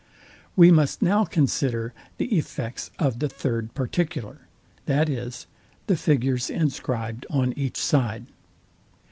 We must now consider the effects of the third particular, viz. the figures inscribed on each side.